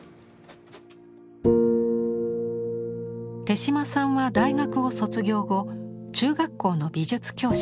手島さんは大学を卒業後中学校の美術教師に。